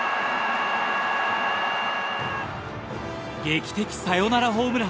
劇的サヨナラホームラン！